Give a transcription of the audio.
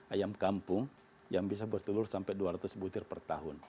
ayam kampung yang bisa bertelur sampai dua ratus butir per tahun